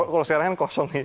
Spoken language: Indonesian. kalau sekarang kan kosong sih